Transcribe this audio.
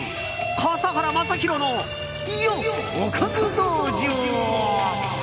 笠原将弘のおかず道場。